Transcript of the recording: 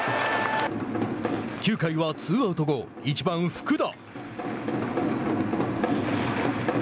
９回はツーアウト後、１番福田。